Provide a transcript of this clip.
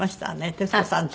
徹子さんと。